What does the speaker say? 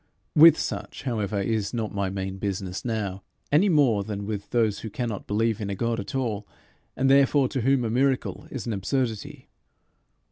With such, however, is not my main business now, any more than with those who cannot believe in a God at all, and therefore to whom a miracle is an absurdity.